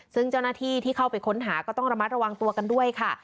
ซึ่งเจ้าหน้าที่ที่เข้าไปค้นหาก็ต้องระมัดระวังตัวกันด้วยค่ะ